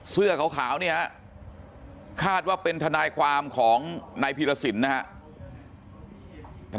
เสื้อขาวเนี่ยคาดว่าเป็นทนายความของนายพีรสินนะครับ